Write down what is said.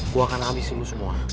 gue akan habisin lo semua